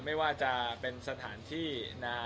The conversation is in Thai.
ไม่ว่าจะเป็นสถานที่นา